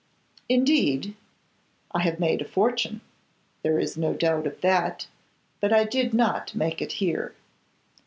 'Indeed!' 'I have made a fortune; there is no doubt of that; but I did not make it here.